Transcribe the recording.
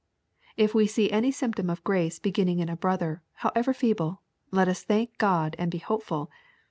If we see any symptom of grace beginning in a brother, however feeble, let us thank God and be hopeful.